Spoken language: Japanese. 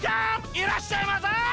いらっしゃいませ！